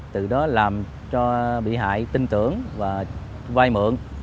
từ đó làm cho bị hại tin tưởng và vay mượn